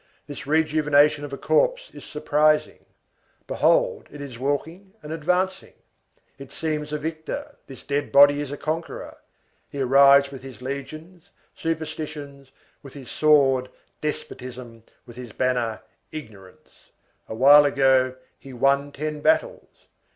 This rejuvenation of a corpse is surprising. Behold, it is walking and advancing. It seems a victor; this dead body is a conqueror. He arrives with his legions, superstitions, with his sword, despotism, with his banner, ignorance; a while ago, he won ten battles.